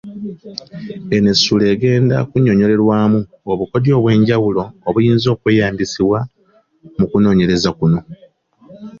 Eno essuula egenda kunnyonnyolerwamu obukodyo obw'enjawulo obuyinza okweyambisibwa mu kunoonyereza kuno.